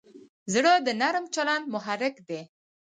زړه د نرم چلند محرک دی.